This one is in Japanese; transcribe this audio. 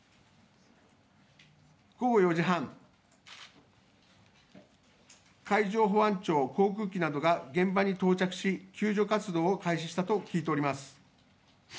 午後４時半、海上保安庁航空機などが現場に到着し、救助活動を開始したと聞いております。